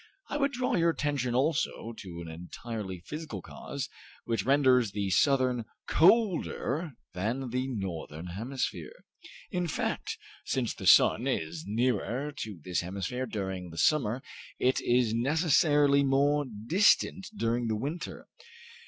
I would draw your attention also to an entirely physical cause, which renders the Southern colder than the Northern Hemisphere. In fact, since the sun is nearer to this hemisphere during the summer, it is necessarily more distant during the winter.